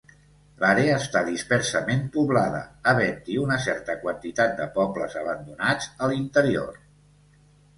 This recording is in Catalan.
L'àrea està dispersament poblada, havent-hi una certa quantitat de pobles abandonats a l'interior.